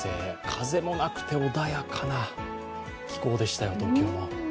風もなくて穏やかな気候でしたよ、東京も。